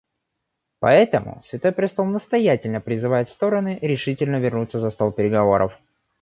Поэтому Святой престол настоятельно призывает стороны решительно вернуться за стол переговоров.